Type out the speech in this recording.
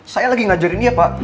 saya lagi ngajarin ya pak